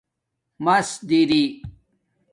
امس دری